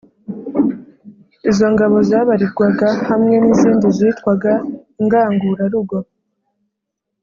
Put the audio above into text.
izo ngabo zabarirwaga hamwe n'izindi zitwaga ingangurarugo,